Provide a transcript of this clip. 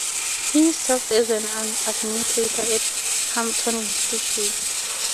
He served as an administrator at Hampton Institute.